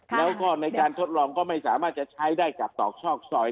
แล้วก็ในการทดลองก็ไม่สามารถจะใช้ได้กับตอกซอกซอย